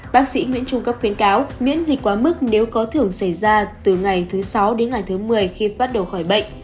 bác sĩ nguyễn trung cấp khuyến cáo miễn dịch quá mức nếu có thường xảy ra từ ngày thứ sáu đến ngày thứ một mươi khi bắt đầu khỏi bệnh